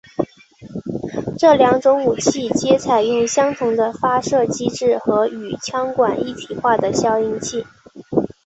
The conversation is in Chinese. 这两种武器皆采用相同的发射机制和与枪管一体化的消音器。